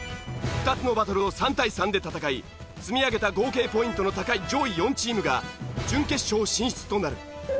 ２つのバトルを３対３で戦い積み上げた合計ポイントの高い上位４チームが準決勝進出となる。